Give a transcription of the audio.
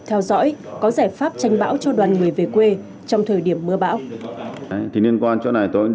theo dõi có giải pháp tranh bão cho đoàn người về quê trong thời điểm mưa bão